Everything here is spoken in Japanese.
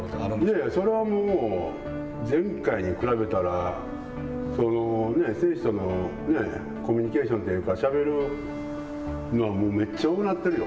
いやいや、それはもう前回に比べたら、選手とのコミュニケーションというか、しゃべるのはめっちゃ多くなってるよ。